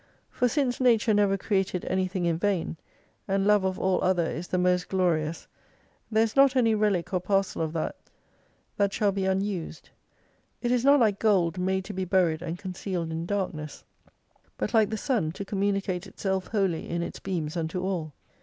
For since Nature never created anything in vain, and love of all other is the most glorious there is not any relic or parcel of that that shall be unused. It is not like gold made to be buried and concealed in darkness, but like the sun to communicate itself wholly in its beams unto all.